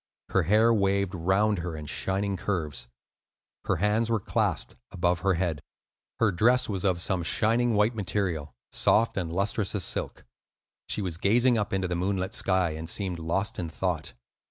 Her hair waved round her in shining curves. Her hands were clasped above her head. Her dress was of some shining white material, soft and lustrous as silk; she was gazing up into the moonlit sky, and seemed lost in thought.